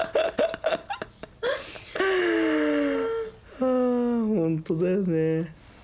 はあ本当だよね。